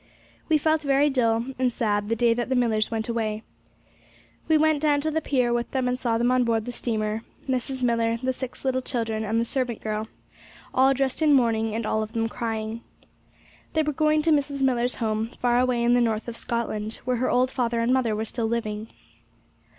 We felt very dull and sad the day that the Millars went away. We went down to the pier with them, and saw them on board the steamer Mrs. Millar, the six little children, and the servant girl, all dressed in mourning, and all of them crying. They were going to Mrs. Millar's home, far away in the north of Scotland, where her old father and mother were still living.